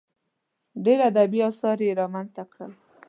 ډېر ادبي اثار یې رامنځته کړل.